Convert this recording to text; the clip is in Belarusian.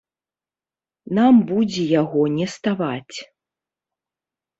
Нам будзе яго не ставаць.